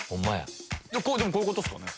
こういうことっすかね。